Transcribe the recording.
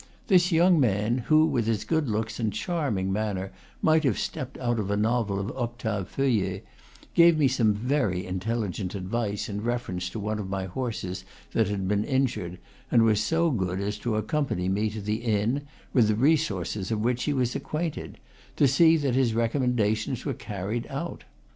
This young man, who, with his good looks and charming manner, might have stepped out of a novel of Octave Feuillet, gave me some very intelligent advice in reference to one of my horses that had been injured, and was so good as to accompany me to the inn, with the re sources of which he was acquainted, to see that his recommendations were carried out.